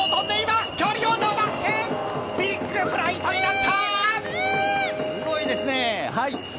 すごいですね！